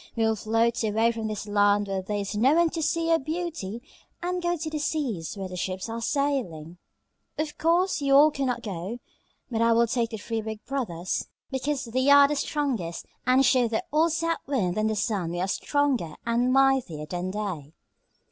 We will float away from this land where there is no one to see your beauty and go to the seas where the ships are sailing. "Of course, you all cannot go, but I will take the three big brothers because they are the strongest, and show the old South Wind and the Sun we are stronger and mightier than they."